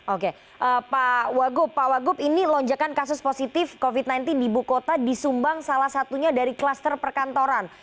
oke pak wagup ini lonjakan kasus positif covid sembilan belas di bukota disumbang salah satunya dari kluster perkantoran